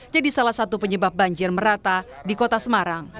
jadi salah satu penyebab banjir merata di kota semarang